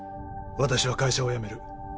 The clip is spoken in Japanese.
私は会社を辞める